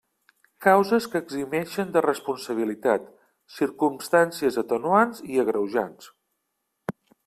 Causes que eximeixen de responsabilitat: circumstàncies atenuants i agreujants.